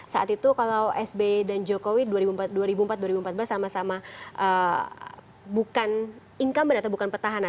saat itu kalau sby dan jokowi dua ribu empat dua ribu empat belas sama sama bukan incumbent atau bukan petahana